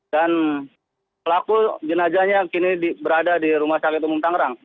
dan pelaku jenazahnya kini berada di rumah sakit umum tanggerang